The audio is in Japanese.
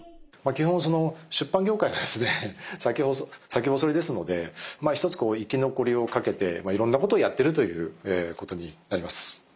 基本その出版業界がですね先細りですのでまあ一つ生き残りを懸けていろんなことをやっているということになります。